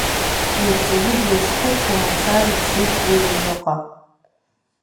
Ирҵаҩы длызхәыцуа мацара дцеит уи аҩныҟа.